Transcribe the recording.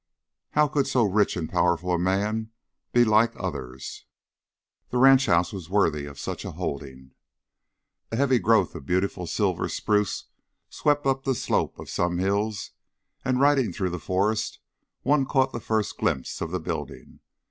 How could so rich and powerful a man be like others? The ranch house was worthy of such a holding. A heavy growth of beautiful silver spruce swept up the slope of some hills, and riding through the forest, one caught the first glimpse of the building.